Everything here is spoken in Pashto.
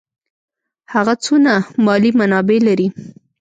هغه څونه مالي منابع لري.